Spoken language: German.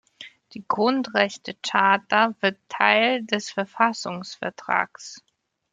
Die Grundrechtecharta wird Teil des Verfassungsvertrags.